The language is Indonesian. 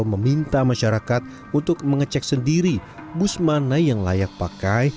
meminta masyarakat untuk mengecek sendiri bus mana yang layak pakai